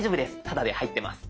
タダで入ってます。